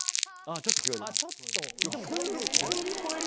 ちょっと聞こえる。